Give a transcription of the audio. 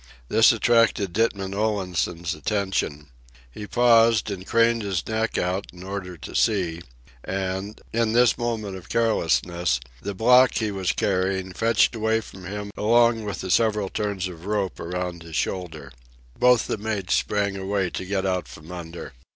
This attracted Ditman Olansen's attention. He paused and craned his neck out in order to see, and, in this moment of carelessness, the block he was carrying fetched away from him along with the several turns of rope around his shoulder. Both the mates sprang away to get out from under.